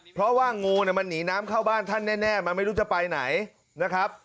เพราะว่างูเนี่ยมันหนีน้ำเข้าบ้านท่านแน่มันไม่รู้จะไปไหนนะครับ